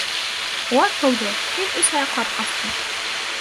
Улар ҡыуҙы, мин өс аяҡлап ҡастым.